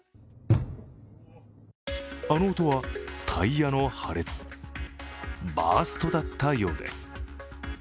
あの音はタイヤの破裂バーストだったようです。